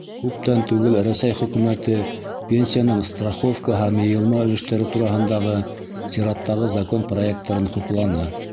Күптән түгел Рәсәй Хөкүмәте пенсияның страховка һәм йыйылма өлөштәре тураһындағы сираттағы закон проекттарын хупланы.